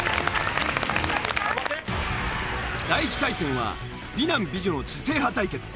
第１対戦は美男美女の知性派対決。